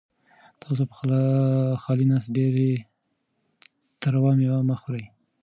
تاسو په خالي نس ډېره تروه مېوه مه خورئ.